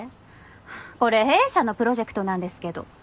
はぁこれ弊社のプロジェクトなんですけど。